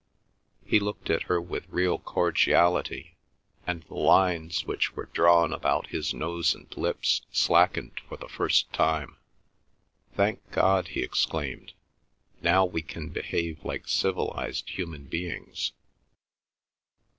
He looked at her with real cordiality, and the lines which were drawn about his nose and lips slackened for the first time. "Thank God!" he exclaimed. "Now we can behave like civilised human beings."